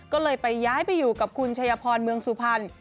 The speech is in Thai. ก็เลยไปย้ายไปอยู่กับคุณชัยพรเมืองสุพรรณ